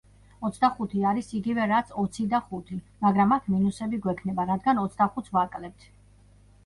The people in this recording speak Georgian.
ოცდახუთი არის იგივე რაც ოცი და ხუთი, მაგრამ აქ მინუსები გვექნება რადგან ოცდახუთს ვაკლებთ.